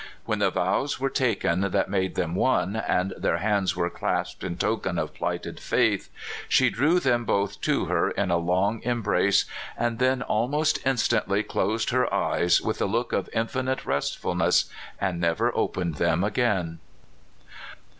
When the vows were taken that made them one, and their hands were clasped in token of plighted faith, she drew them both to her in a long embrace, and then almost instantly closed her eyes with a look of infinite restfulness, and never opened them again.